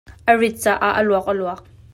A riit caah a luak a luak.